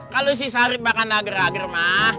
kalau si sarip makan agar agar mah